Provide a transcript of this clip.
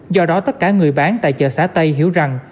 do đó tất cả người bán tại chợ xã tây hiểu rằng